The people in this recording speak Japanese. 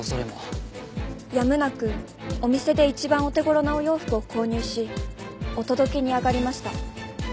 やむなくお店で一番お手頃なお洋服を購入しお届けに上がりました。